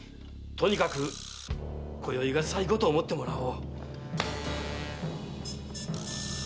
とにかく今宵が最後と思ってもらおう。